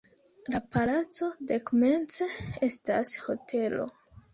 La palaco dekomence estas hotelo.